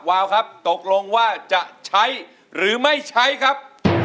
วาวครับตกลงว่าจะใช้หรือไม่ใช้ครับ